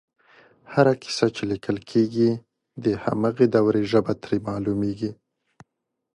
هره کیسه چې لیکل کېږي د هماغې دورې ژبه ترې معلومېږي